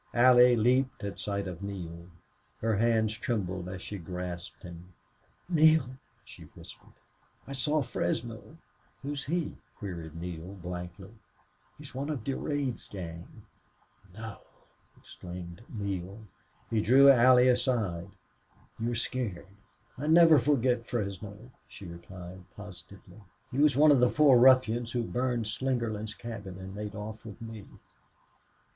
Allie leaped at sight of Neale. Her hands trembled as she grasped him. "Neale!" she whispered. "I saw Fresno!" "Who's he?" queried Neale, blankly. "He's one of Durade's gang." "No!" exclaimed Neale. He drew Allie aside. "You're scared." "I'd never forget Fresno," she replied, positively. "He was one of the four ruffians who burned Slingerland's cabin and made off with me."